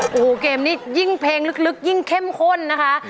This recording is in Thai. โอ้โหเกมนี้ยิ่งเพลงลึกยิ่งเข้มข้นนะคะ